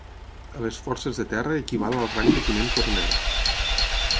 A les forces de terra equival al rang de Tinent Coronel.